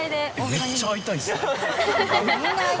めっちゃ会いたいっす。